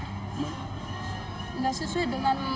nggak sesuai dengan